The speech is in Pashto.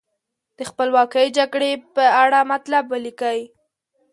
د خپلواکۍ جګړې په اړه مطلب ولیکئ.